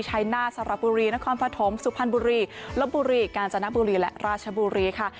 ชัยหน้าสระบุรีนครปฐมสุพรรณบุรีลบบุรีกาญจนบุรีและราชบุรีค่ะ